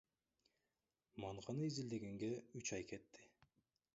Манганы изилдегенге үч ай кетти.